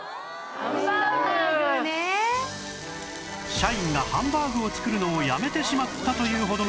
社員がハンバーグを作るのをやめてしまったというほどの商品が